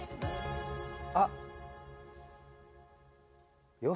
あっ。